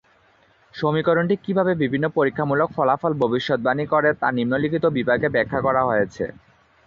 সমীকরণটি কিভাবে বিভিন্ন পরীক্ষামূলক ফলাফল ভবিষ্যদ্বাণী করে তা নিম্নলিখিত বিভাগে ব্যাখ্যা করা হয়েছে।